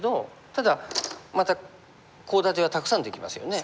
ただまたコウ立てがたくさんできますよね